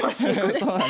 そうなんです。